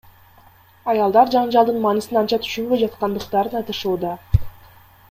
Аялдар жаңжалдын маанисин анча түшүнбөй жаткандыктарын айтышууда.